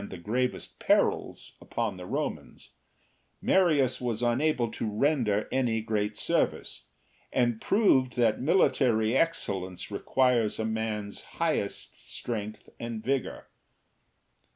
the gravest perils upon the Romans, Marius was unable to render any great service, and proved that military excellence requires a man's highest strength and vigour.